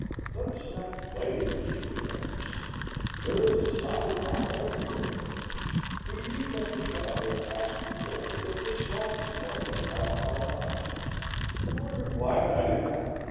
Let us not play at kittly benders. There is a solid bottom every where. We read that the traveller asked the boy if the swamp before him had a hard bottom. The boy replied that it had.